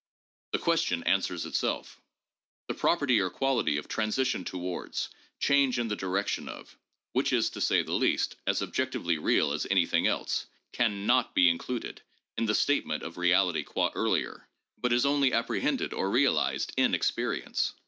The question answers itself : the property or quality of transition towards, change in the direction of , which is, to say the least, as ob jectively real as anything else, can not be included in th statement of reality qua earlier, but is only apprehended or realized in experi ence.